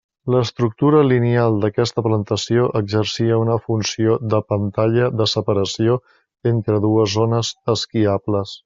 L'estructura lineal d'aquesta plantació exercia una funció de pantalla de separació entre dues zones esquiables.